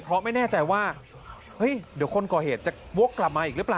เพราะไม่แน่ใจว่าเฮ้ยเดี๋ยวคนก่อเหตุจะวกกลับมาอีกหรือเปล่า